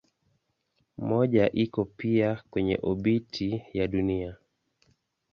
Mmoja iko pia kwenye obiti ya Dunia.